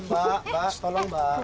eh mbak mbak tolong mbak